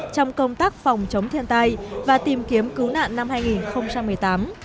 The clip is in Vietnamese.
trong công tác phòng chống thiên tai và tìm kiếm cứu nạn năm hai nghìn một mươi tám